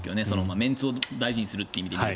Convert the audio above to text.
メンツを大事にするっていう意味で言うと。